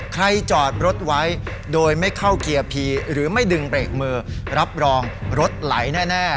จอดรถไว้โดยไม่เข้าเกียร์พีหรือไม่ดึงเบรกมือรับรองรถไหลแน่